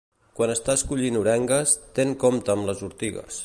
Quan estàs collint orengues, ten compte amb les ortigues.